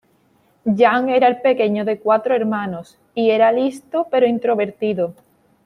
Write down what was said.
Yang era el pequeño de cuatro hermanos, y era listo pero introvertido.